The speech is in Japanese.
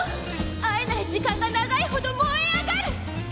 会えない時間が長いほど燃え上がる！